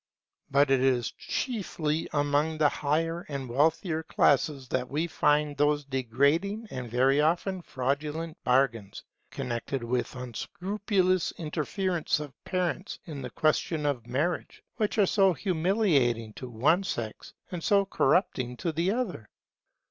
But it is chiefly among the higher and wealthier classes that we find those degrading and very often fraudulent bargains, connected with unscrupulous interference of parents in the question of marriage, which are so humiliating to one sex and so corrupting to the other.